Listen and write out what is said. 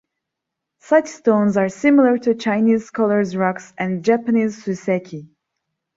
Such stones are similar to Chinese scholar's rocks and Japanese suiseki.